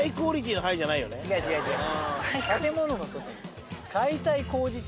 違う違う違う違う。